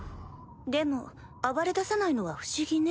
でも暴れださないのは不思議ね。